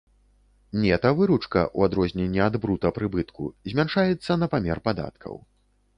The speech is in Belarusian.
Нета-выручка, у адрозненне ад брута-прыбытку, змяншаецца на памер падаткаў.